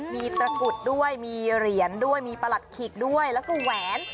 มีตระกุดด้วยมีเหรียญด้วยมีประหลัดขิกด้วยแล้วก็แหวน